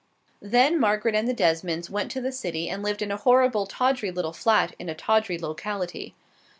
Then Margaret and the Desmonds went to the city and lived in a horrible, tawdry little flat in a tawdry locality.